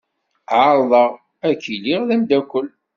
Ɛerḍeɣ ad k-iliɣ d amdakel.